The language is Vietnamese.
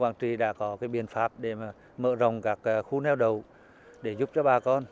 quảng trị đã có biên pháp để mở rộng các khu neo đậu để giúp cho bà con